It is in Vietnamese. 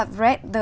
và có thể